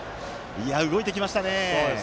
動いてきましたね。